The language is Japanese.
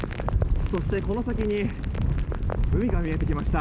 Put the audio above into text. そして、この先に海が見えてきました。